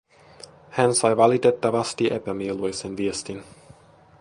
Hän sai valitettavasti epämieluisen viestin.